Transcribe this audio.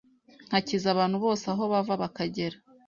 ngakiza abantu bose aho bava bakagera